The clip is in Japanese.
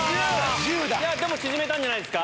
でも縮めたんじゃないですか？